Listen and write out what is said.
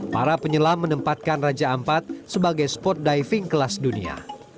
para penyelam menempatkan raja ampat sebagai sport diving kelas dunia